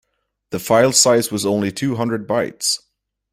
The file size was only two hundred bytes.